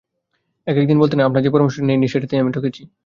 এক-এক দিন বলতেন, আপনার যে পরামর্শটি নিই নি সেইটেতেই আমি ঠকেছি।